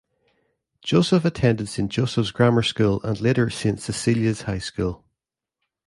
Joseph attended Saint Joseph's Grammar School and later Saint Cecilia's High School.